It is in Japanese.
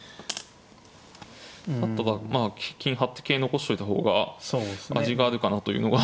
あとはまあ金張って桂残しといた方が味があるかなというのは。